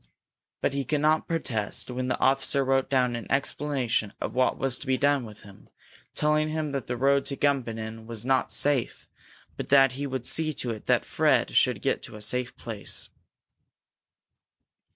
But he could not protest when the officer wrote down an explanation of what was to be done with him, telling him that the road to Gumbinnen was not safe, but that he would see to it that Fred should get to a safe place.